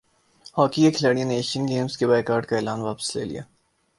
hockey کےکھلاڑیوں نے Asian games کے بائیکاٹ کا اعلان واپس لے لیا